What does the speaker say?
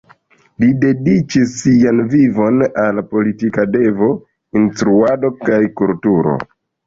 Li dediĉis sian vivon al politika devo, instruado kaj kulturo.